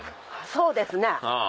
そうですね。